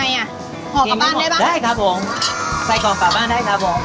อันนี้คือปลาดูกที่ทอดแล้วปลาดูกครับผม